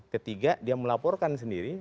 ketiga dia melaporkan sendiri